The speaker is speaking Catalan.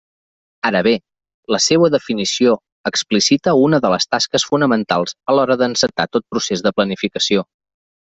Ara bé, la seua definició explicita una de les tasques fonamentals a l'hora d'encetar tot procés de planificació.